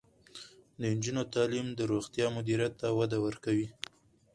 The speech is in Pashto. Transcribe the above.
د نجونو تعلیم د روغتون مدیریت ته وده ورکوي.